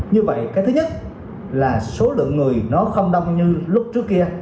như vậy cái thứ nhất là số lượng người nó không đông như lúc trước kia